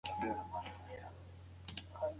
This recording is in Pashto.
ښوونکي زده کوونکو ته نوي کتابونه ورکوي.